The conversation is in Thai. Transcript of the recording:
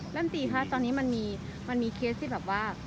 ลำตีคะตอนนี้มันมีเคสที่แบบว่า